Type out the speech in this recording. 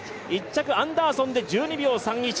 １着はアンダーソンで１２秒３１。